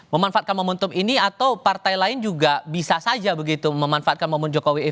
memanfaatkan momentum ini atau partai lain juga bisa saja begitu memanfaatkan momen jokowi